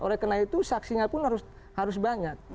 oleh karena itu saksinya pun harus banyak